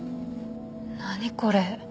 何これ。